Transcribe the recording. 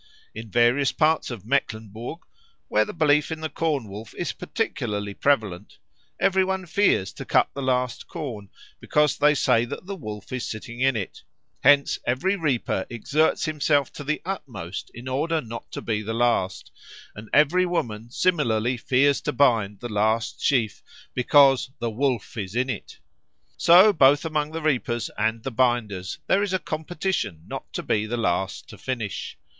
In various parts of Mecklenburg, where the belief in the Corn wolf is particularly prevalent, every one fears to cut the last corn, because they say that the Wolf is sitting in it; hence every reaper exerts himself to the utmost in order not to be the last, and every woman similarly fears to bind the last sheaf because "the Wolf is in it." So both among the reapers and the binders there is a competition not to be the last to finish.